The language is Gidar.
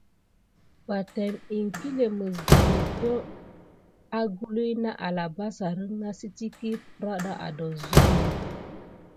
Batam iŋkle mis ɗeɗa nane ogluhana na arabasare sitiki feranda a dosohi.